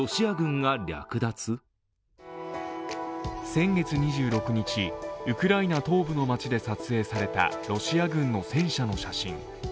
先月２６日、ウクライナ東部の街で撮影されたロシア軍の戦車の写真。